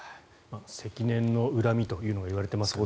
積年の恨みというのが言われていますが。